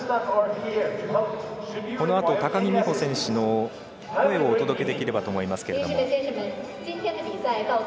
このあと高木美帆選手の声をお届けできればと思います。